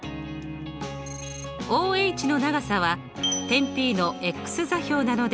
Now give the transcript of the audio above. ＯＨの長さは点Ｐの座標なので。